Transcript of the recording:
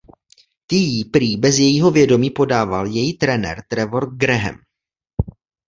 Ty jí prý bez jejího vědomí podával její trenér Trevor Graham.